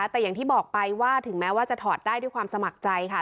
แต่อย่างที่บอกไปว่าถึงแม้ว่าจะถอดได้ด้วยความสมัครใจค่ะ